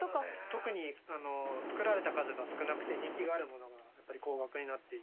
特に作られた数が少なくて人気があるものがやっぱり高額になっていって。